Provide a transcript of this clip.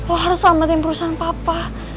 oh harus selamatin perusahaan papa